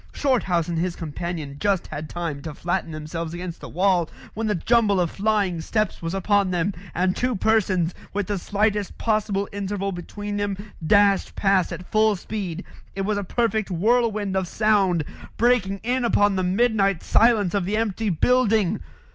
Shorthouse and his companion just had time to flatten themselves against the wall when the jumble of flying steps was upon them, and two persons, with the slightest possible interval between them, dashed past at full speed. It was a perfect whirlwind of sound breaking in upon the midnight silence of the empty building.